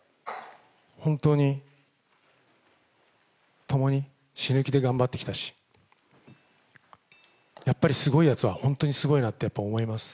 本当に共に死ぬ気で頑張ってきたし、やっぱりすごいやつは本当にすごいなって、やっぱ思います。